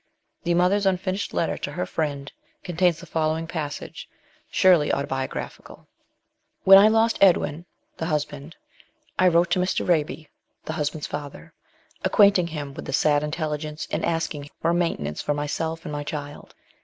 The mother's unfinished letter to her friend contains the following passage, surely autobiographical : When I lost Edwin (the husband), I wrote to Mr. Raby (the husband's father) acquainting him with the sad intelligence, and asking for a maintenance for myself and my child.